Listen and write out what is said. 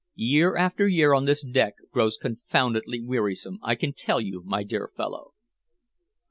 Year after year on this deck grows confoundedly wearisome, I can tell you, my dear fellow."